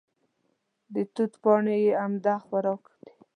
د توت پاڼې یې عمده خوراک دی.